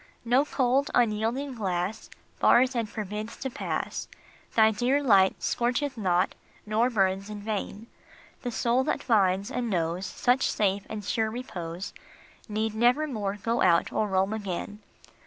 No cold, unyielding glass Bars and forbids to pass ; Thy dear light scorcheth not, nor burns in vain ; The soul that finds and knows Such safe and sure repose Need nevermore go out or roam again.